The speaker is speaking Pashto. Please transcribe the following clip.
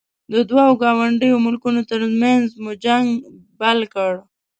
د دوو ګاونډیو ملکونو ترمنځ مو جنګ بل کړ.